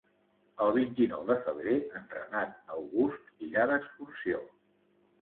El vint-i-nou de febrer en Renat August irà d'excursió.